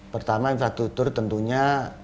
pertama infrastruktur tentunya